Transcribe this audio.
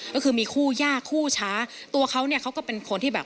ก็คือมีคู่ยากคู่ช้าตัวเขาเนี่ยเขาก็เป็นคนที่แบบ